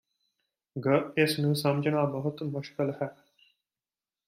ਗ ਇਸ ਨੂੰ ਸਮਝਣਾ ਬਹੁਤ ਮੁਸ਼ਕਿਲ ਹੈ